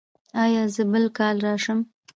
ایا زه بل کال راشم؟